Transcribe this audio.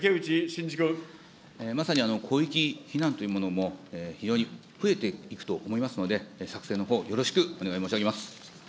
まさに広域避難というものも非常に増えていくと思いますので、作成のほう、よろしくお願い申し上げます。